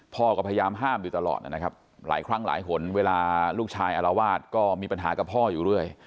พ่อก็พยายามห้ามอยู่ตลอดนะครับหลายครั้งหลายหนเวลาลูกชายอารวาสก็มีปัญหากับพ่ออยู่เรื่อย